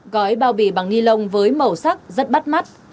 gói bao bì bằng ni lông với màu sắc rất bắt mắt